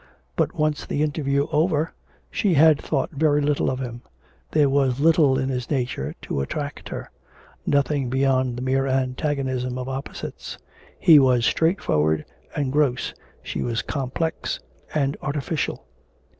But once the interview over, she had thought very little of him; there was little in his nature to attract hers; nothing beyond the mere antagonism of opposites he was straightforward and gross, she was complex and artificial.